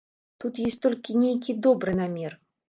Тут ёсць толькі нейкі добры намер.